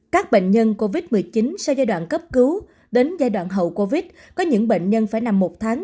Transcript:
các bệnh nhân covid một mươi chín sau giai đoạn cấp cứu đến giai đoạn hậu covid có những bệnh nhân phải nằm một tháng